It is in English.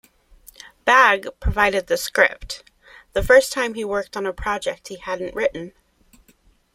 Bagge provided the script-the first time he worked on a project he hadn't written.